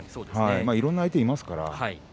いろいろな相手がいますから。